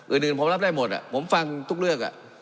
อื่นผมรับได้หมดผมฟังทุกเรื่อง